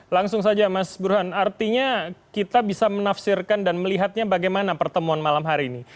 langsung saja mas burhan artinya kita bisa menafsirkan dan melihatnya bagaimana pertemuan malam hari ini